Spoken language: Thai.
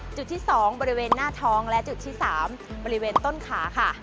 จุดที่๒บริเวณหน้าท้องและจุดที่๓บริเวณต้นขาค่ะ